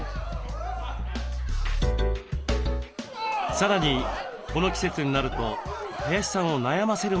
さらにこの季節になると林さんを悩ませるものがあります。